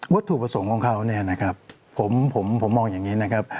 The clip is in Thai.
วัตถุประสงค์ของเขาผมมองอย่างนี้นะครับ